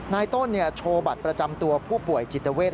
ต้นโชว์บัตรประจำตัวผู้ป่วยจิตเวท